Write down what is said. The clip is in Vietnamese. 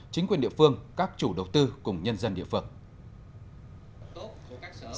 chính quyền địa phương các chủ đầu tư cùng nhân dân địa phương